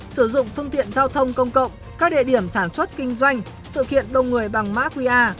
sử dụng phương tiện giao thông công cộng các địa điểm sản xuất kinh doanh sự kiện đông người bằng mã qr